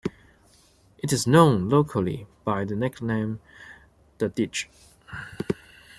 It is known locally by the nickname The Ditch.